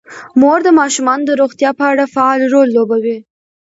مور د ماشومانو د روغتیا په اړه فعال رول لوبوي.